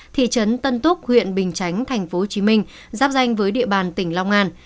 thị trấn tân túc huyện bình chánh tp hcm giáp danh với địa bàn tỉnh long an